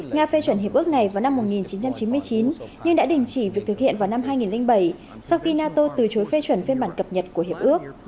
nga phê chuẩn hiệp ước này vào năm một nghìn chín trăm chín mươi chín nhưng đã đình chỉ việc thực hiện vào năm hai nghìn bảy sau khi nato từ chối phê chuẩn phiên bản cập nhật của hiệp ước